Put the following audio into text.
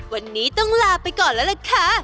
วันนี้ต้องลาไปก่อนแล้วล่ะค่ะ